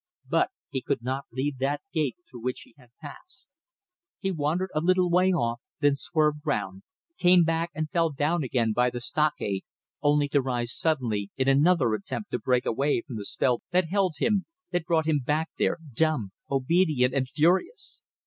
But he could not leave that gate through which she had passed. He wandered a little way off, then swerved round, came back and fell down again by the stockade only to rise suddenly in another attempt to break away from the spell that held him, that brought him back there, dumb, obedient and furious.